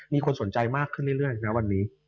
มีคนสนใจมากขึ้นเรื่อยนะวันนี้